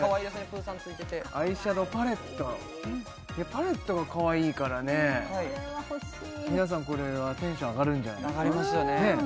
プーさんついててアイシャドーパレットパレットがかわいいからね皆さんこれはテンション上がるんじゃないですか？